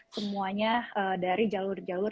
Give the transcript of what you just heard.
semuanya dari jalur jalur